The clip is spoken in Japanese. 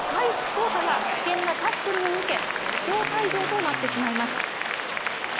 広大が危険なタックルを受け負傷退場となってしまいます。